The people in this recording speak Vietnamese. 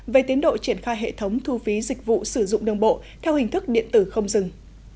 về tiến độ triển khai hệ thống thu phí dịch vụ sử dụng đường bộ theo hình thức điện tử không dừng